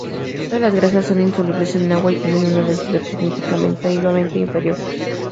Todas las grasas son insolubles en agua y tienen una densidad significativamente inferior.